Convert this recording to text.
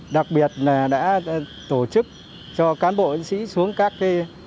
đặc biệt là đã tổ chức cho cán bộ ấn sĩ xuống các bếp